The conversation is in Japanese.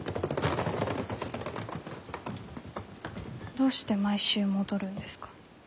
どうして毎週戻るんですか？